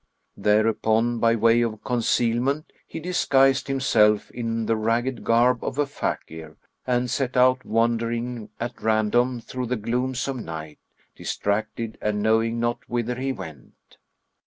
Thereupon, by way of concealment, he disguised himself in the ragged garb of a Fakir,[FN#42] and set out wandering at random through the glooms of night, distracted and knowing not whither he went.